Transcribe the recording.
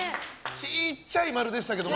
ちっちゃい○でしたけど。